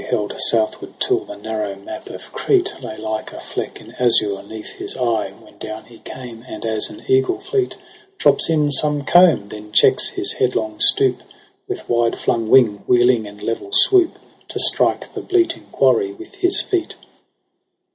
Held southward, till the narrow map of Crete Lay like a fleck in azure 'neath his eye ; When down he came, and as an eagle fleet Drops in some combe, then checks his headlong stoop With wide flung wing, wheeEng in level swoop To strike the bleating quarry with his feet.